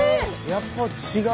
やっぱ違う！